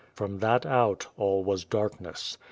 From that out, all was darkness.